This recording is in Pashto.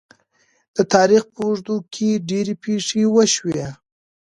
د تاریخ په اوږدو کې ډیرې پېښې وشوې.